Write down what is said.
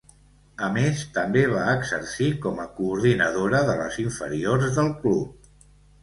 A més, també va exercir com a coordinadora de les inferiors del club.